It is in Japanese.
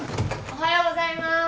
おはようございます。